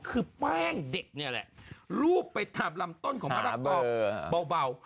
คือแป้งเด็กนี่แหละรูปไปถามลำต้นของมะละกอเบา